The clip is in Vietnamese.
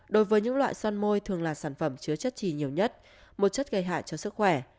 đối với những loại son môi thường là sản phẩm chứa chất trì nhiều nhất một chất gây hại cho sức khỏe